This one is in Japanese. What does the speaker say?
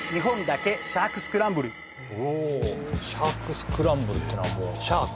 シャークスクランブルっていうのはもうシャーク？